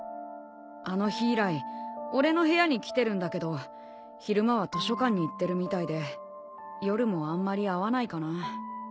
あの日以来俺の部屋に来てるんだけど昼間は図書館に行ってるみたいで夜もあんまり会わないかな。